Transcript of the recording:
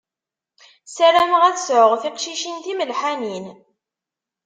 Sarameɣ ad sɛuɣ tiqcicin timelḥanin.